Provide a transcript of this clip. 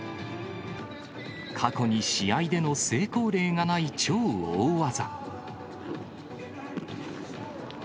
過去に試合での成功例がない超大技。